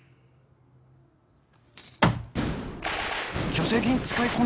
助成金使い込ん